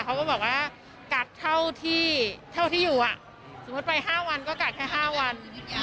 เขาก็บอกว่ากักเท่าที่อยู่สมมุติไป๕วันก็กักแค่๕วัน